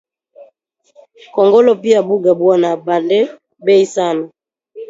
Kongolo pia bunga buna panda bei sana